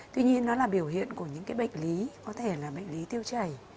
tuy nhiên nó là biểu hiện của những bệnh lý có thể là bệnh lý tiêu chảy